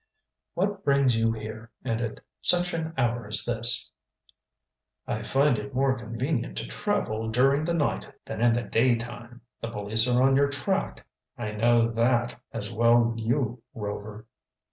"What brings you here, and at such an hour as this?" "I find it more convenient to travel during the night than in the daytime." "The police are on your track." "I know that as well you, Rover."